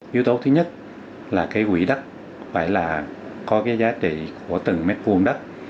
yếu tố thứ nhất là cái quỹ đất phải là có cái giá trị của từng mét vuông đất